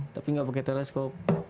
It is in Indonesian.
tapi nggak pakai teleskop